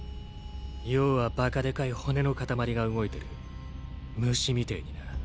要はバカでかい骨の塊が動いてる虫みてぇにな。